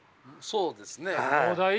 そうですね。